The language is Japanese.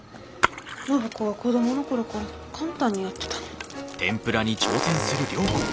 暢子は子供の頃から簡単にやってたのに。